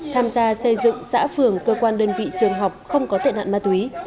tham gia xây dựng xã phường cơ quan đơn vị trường học không có tệ nạn ma túy